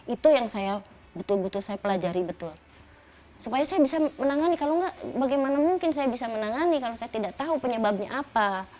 itu yang saya betul betul saya pelajari betul supaya saya bisa menangani kalau enggak bagaimana mungkin saya bisa menangani kalau saya tidak tahu penyebabnya apa